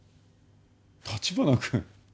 橘君。